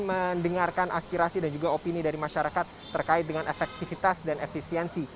mendengarkan aspirasi dan juga opini dari masyarakat terkait dengan efektivitas dan efisiensi